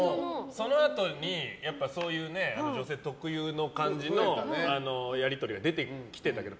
そのあとにそういう女性特有の感じのやり取りが出てきたけど。